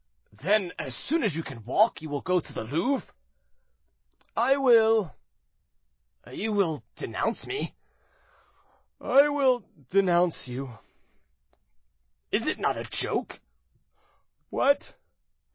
"Then as soon as you can walk you will go to the Louvre?" "I will." "You will denounce me." "I will denounce you." "Is it not a joke?" "What?"